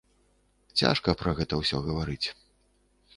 Цяжка пра гэта ўсё гаварыць.